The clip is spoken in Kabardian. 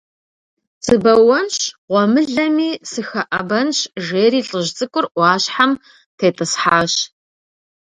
Сыбэуэнщ, гъуэмылэми сыхэӀэбэнщ, - жери лӀыжь цӀыкӀур Ӏуащхьэм тетӀысхьащ.